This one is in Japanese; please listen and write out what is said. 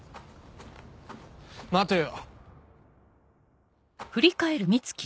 待てよ。